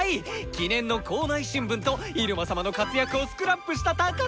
記念の校内新聞とイルマ様の活躍をスクラップした宝物です！